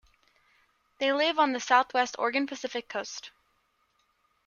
They live on the southwest Oregon Pacific coast.